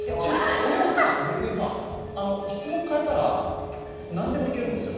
これ、質問変えたら何でもいけるんですよ。